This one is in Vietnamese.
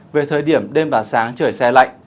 về thời điểm đêm và sáng trời xe lạnh